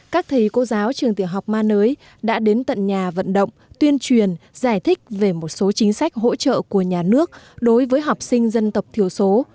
các thầy cô giáo trường tiểu học ma nới đã đến tận nhà vận động tuyên truyền giải thích về một số chính sách hỗ trợ của nhà nước đối với học sinh dân tộc thiểu số